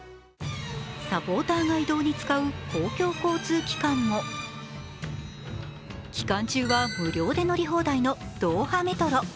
サポーターが移動に使う公共交通機関も期間中は無料で乗り放題のドーハメトロ。